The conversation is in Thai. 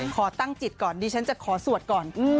ขอตั้งจิตก่อนดิฉันจะขอสวดก่อน